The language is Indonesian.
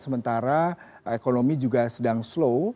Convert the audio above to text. sementara ekonomi juga sedang slow